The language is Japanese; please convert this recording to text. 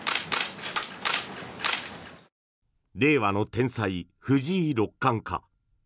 令和の天才、藤井六冠か。